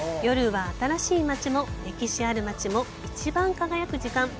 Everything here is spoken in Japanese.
夜は、新しい街も歴史ある街も一番輝く時間。